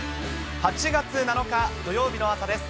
８月７日土曜日の朝です。